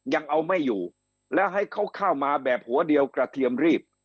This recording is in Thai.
ยังเอาไม่อยู่แล้วให้เขาเข้ามาแบบหัวเดียวกระเทียมรีบ